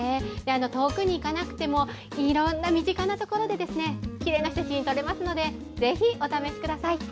遠くに行かなくてもいろんな身近なところできれいな写真撮れますのでぜひお試しください。